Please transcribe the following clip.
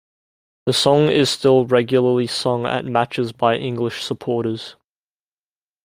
The song is still regularly sung at matches by English supporters.